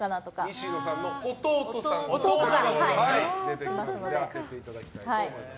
西野さんの弟さんが出てきますので当てていただきたいと思います。